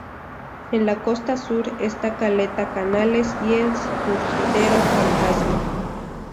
En la costa sur está caleta Canales y el surgidero Fantasma.